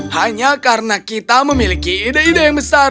hanya karena kita memiliki ide ide yang besar